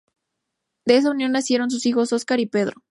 De esa unión nacieron sus hijos Óscar y Pedro.